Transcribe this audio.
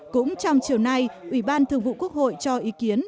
cũng trong chiều nay ủy ban thường vụ quốc hội cho ý kiến